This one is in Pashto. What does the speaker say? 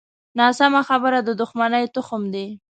ناسمه خبره د دوښمنۍ تخم دی